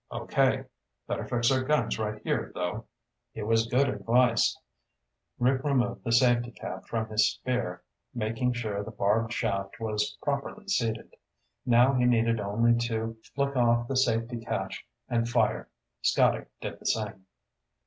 "Okay. Better fix our guns right here, though." It was good advice. Rick removed the safety cap from his spear, making sure the barbed shaft was properly seated. Now he needed only to flick off the safety catch and fire. Scotty did the same.